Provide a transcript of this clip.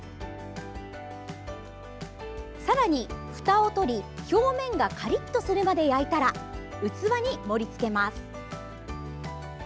さらに、ふたを取り表面がカリッとするまで焼いたら器に盛りつけます。